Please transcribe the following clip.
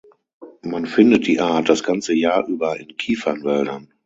Man findet die Art das ganze Jahr über in Kiefernwäldern.